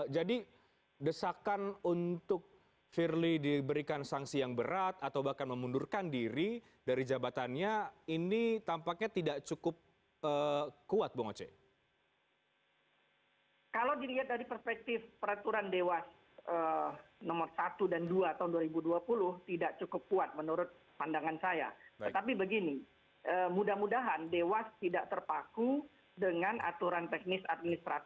jadi desakan untuk firly diberikan sangsi yang berat atau bahkan memundurkan dirinya ya itu apa ya